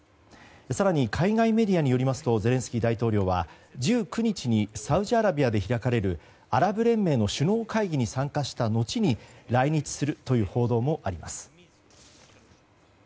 更に、海外メディアによりますとゼレンスキー大統領は１９日にサウジアラビアで開かれるアラブ連盟の首脳会議に参加したのちに来日するという報道もあります。